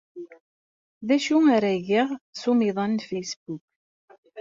D acu ara geɣ s umiḍan n Facebook?